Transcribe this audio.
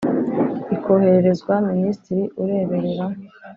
Ikohererezwa minisitiri ureberera